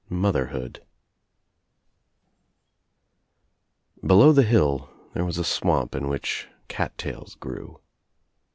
MOTHERHOOD 'DELOW the hill there was a swamp In which cattails grew.